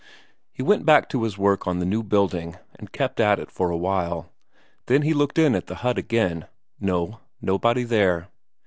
He went back to his work on the new building, and kept at it for a while, then he looked in at the hut again no, nobody there.